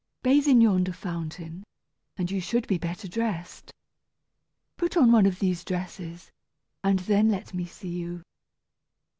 Bathe in yonder fountain. And you should be better dressed. Put on one of these dresses, and then let me see you."